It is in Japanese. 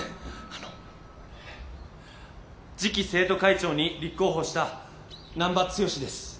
あのえ次期生徒会長に立候補した難破剛です。